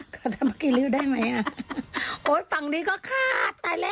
ขอทำพะกิริวได้ไหมโอ้ฝั่งนี้ก็ขาดตายแล้ว